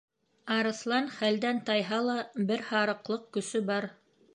Арыҫлан, хәлдән тайһа ла, бер һарыҡлыҡ көсө бар.